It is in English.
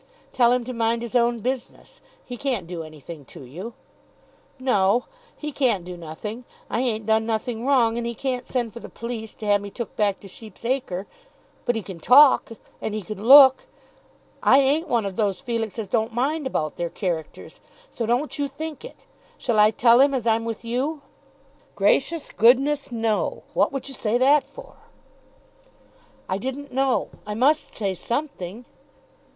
"Tell him to mind his own business. He can't do anything to you." "No; he can't do nothing. I ain't done nothing wrong, and he can't send for the police to have me took back to Sheep's Acre. But he can talk, and he can look. I ain't one of those, Felix, as don't mind about their characters, so don't you think it. Shall I tell him as I'm with you?" "Gracious goodness, no! What would you say that for?" "I didn't know. I must say something."